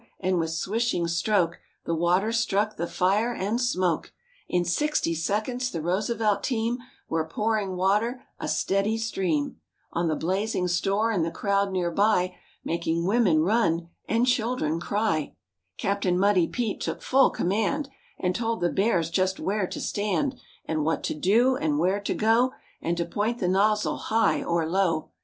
" and with swishing stroke The water struck the fire and smoke. In sixty seconds the Roosevelt team Were pouring water, a steady stream, On the blazing store and the crowd near by, Making women run, and children ciy THE BEARS PUT OUT A FIRE 29 Captain Muddy Pete took full command And told the Bears just where to stand, And what to do and where to go, And to point the nozzle high or low.